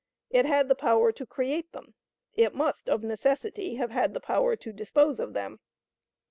It had the power to create them; it must, of necessity, have had the power to dispose of them.